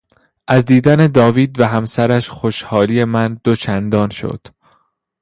از دیدن داوید و همسرش خوشحالی من دو چندان شد.